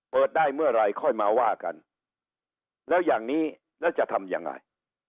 เปิดได้เมื่อไหร่ค่อยมาว่ากันแล้วอย่างนี้แล้วจะทำยังไง